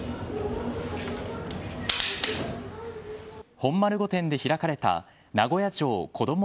本丸御殿で開かれた名古屋城こども